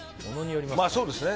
そうですね。